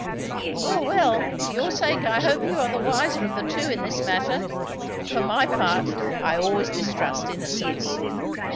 "Well, well, for your sake I hope you are the wiser of the two in this matter. For my part, I always distrust innocence.